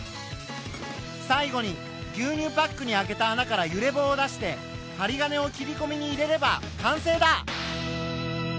最後に牛乳パックに開けた穴から揺れ棒を出してはり金を切りこみに入れれば完成だ。